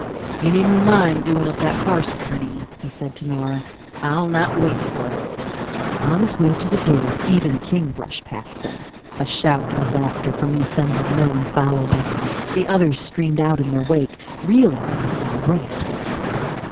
"You needn't mind doing up that parcel for me," he said to Nora. "I'll not wait for it." On his way to the door Eben King brushed past him. A shout of laughter from the assembled men followed them. The others streamed out in their wake, realizing that a race was afoot.